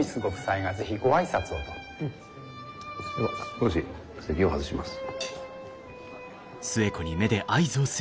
少し席を外します。